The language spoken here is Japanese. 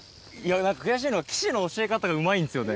何か悔しいのは岸の教え方がうまいんですよね。